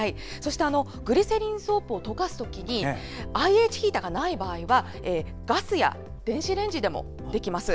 グリセリンソープを溶かすときにＩＨヒーターがない場合はガスや電子レンジでもできます。